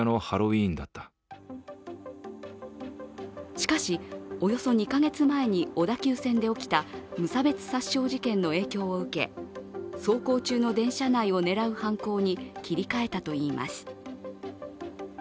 しかし、およそ２か月前に小田急線で起きた無差別殺傷事件の影響を受け走行中の電車を狙う犯行に切り替えたといいます。